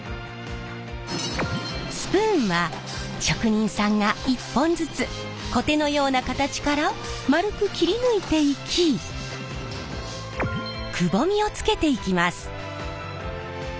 スプーンは職人さんが一本ずつコテのような形から丸く切り抜いていきくぼみをつけていきます。